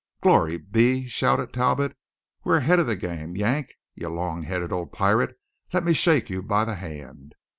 "Glory be!" shouted Talbot, "we're ahead of the game. Yank, you long headed old pirate, let me shake you by the hand!"